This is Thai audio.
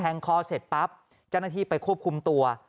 งคอเสร็จปั๊บเจ้าหน้าที่ไปควบคุมตัว